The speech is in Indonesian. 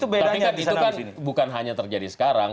tapi kan itu kan bukan hanya terjadi sekarang